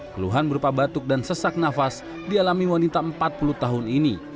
keluhan berupa batuk dan sesak nafas dialami wanita empat puluh tahun ini